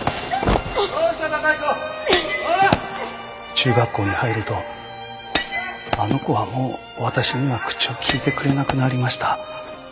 中学校に入るとあの子はもう私には口を利いてくれなくなりました。